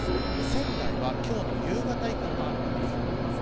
仙台は今日の夕方以降が雨のピークになります。